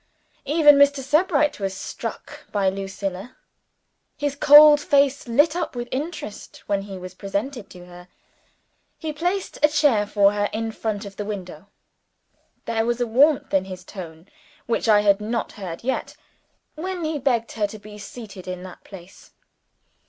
Even Mr. Sebright was struck by Lucilla; his cold face lit up with interest when he was presented to her. He placed a chair for her in front of the window. There was a warmth in his tone which I had not heard yet, when he begged her to be seated in that place.